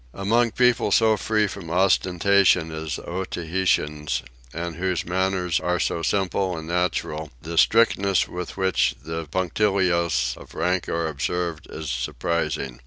Among people so free from ostentation as the Otaheiteans, and whose manners are so simple and natural, the strictness with which the punctilios of rank are observed is surprising.